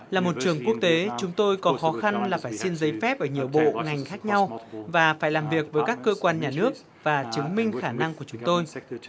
là một trường quốc tế chúng tôi còn khó khăn là phải xin giấy phép ở nhiều bộ ngành khác nhau và phải làm việc với các cơ quan nhà nước và chứng minh khả năng của chúng tôi